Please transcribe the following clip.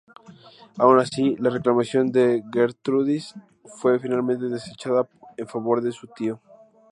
Aun así, la reclamación de Gertrudis fue finalmente desechada en favor de su tío.